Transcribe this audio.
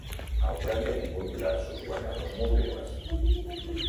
El premi ha tingut diversos guanyadors múltiples.